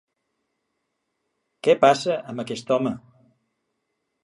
Què passa amb aquest home?